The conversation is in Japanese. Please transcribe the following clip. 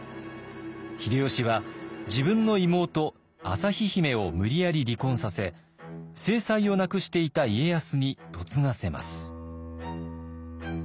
秀吉は自分の妹旭姫を無理やり離婚させ正妻を亡くしていた家康に嫁がせます。